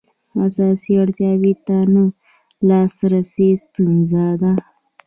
اساسي اړتیاوو ته نه لاسرسی ستونزه ده.